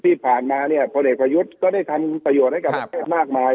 ที่ผ่านมาเนี่ยพลเอกประยุทธ์ก็ได้ทำประโยชน์ให้กับประเทศมากมาย